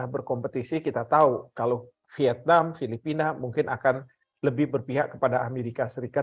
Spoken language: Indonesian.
berkompetisi kita tahu kalau vietnam filipina mungkin akan lebih berpihak kepada amerika serikat